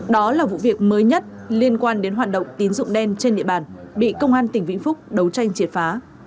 đó là vụ việc mới nhất liên quan đến hoạt động tín dụng đen trên địa bàn bị công an tỉnh vĩnh phúc đấu tranh triệt phá